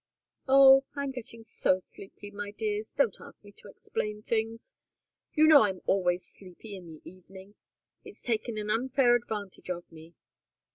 "Oh I'm getting so sleepy, my dears, don't ask me to explain things! You know I'm always sleepy in the evening. It's taking an unfair advantage of me!